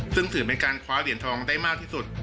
ซึ่งถือเป็นการคว้าเหรียญทองได้มากที่สุด